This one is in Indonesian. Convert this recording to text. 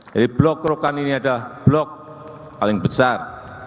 jadi blok rokan ini adalah blok paling besar